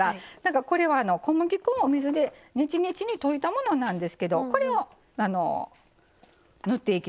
これは小麦粉を水でねちねちに溶いたものなんですけどこれを塗っていきます。